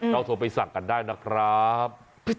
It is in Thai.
เราโทรไปสั่งกันได้นะครับ